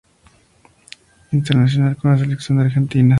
Internacional con la selección argentina.